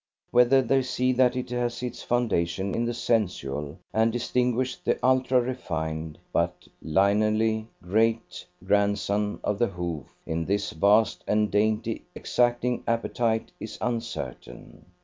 Whether they see that it has its foundation in the sensual, and distinguish the ultra refined but lineally great grandson of the Hoof in this vast and dainty exacting appetite is uncertain.